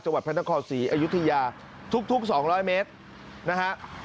พระนครศรีอยุธยาทุก๒๐๐เมตรนะฮะ